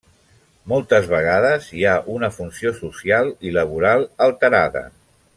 Moltes vegades hi ha una funció social i laboral alterada.